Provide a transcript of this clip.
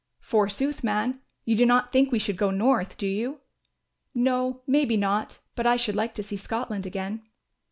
"Forsooth, man, you do not think we should go north, do you?" "No, may be not; but I should like to see Scotland again."